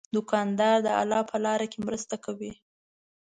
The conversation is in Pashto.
دوکاندار د الله په لاره کې مرسته کوي.